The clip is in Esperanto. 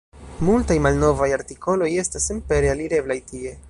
Multaj malnovaj artikoloj estas senpere alireblaj tie.